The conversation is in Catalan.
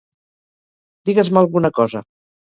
Digues-me alguna cosa.